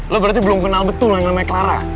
lo berarti belum kenal betul yang namanya clara